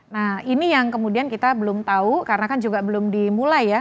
nah ini yang kemudian kita belum tahu karena kan juga belum dimulai ya